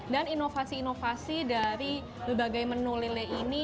dan inovasi inovasi dari berbagai menu lele ini